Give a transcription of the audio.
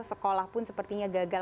sekolah pun sepertinya gagal